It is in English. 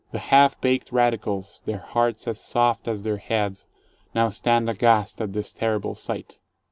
The half baked radicals, their hearts as soft as their heads, now stand aghast at this terrible sight.